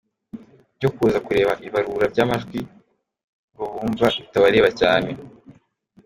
Ibyo kuza kureba ibarura ry’amajwi ngo bumva bitabareba cyane.